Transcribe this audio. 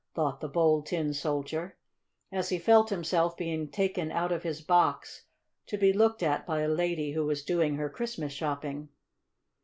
thought the Bold Tin Soldier, as he felt himself being taken out of his box to be looked at by a lady who was doing her Christmas shopping.